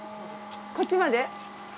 こっちまで。